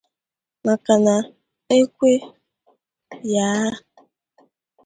maka na e kwee 'yaa'